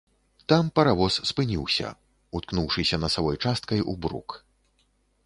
Там паравоз спыніўся, уткнуўшыся насавой часткай у брук.